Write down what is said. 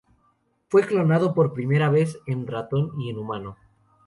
Fue clonado por primera vez en ratón y en humano.